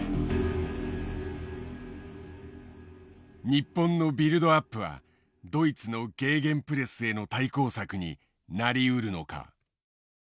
日本のビルドアップはドイツのゲーゲンプレスへの対抗策になりうるのか。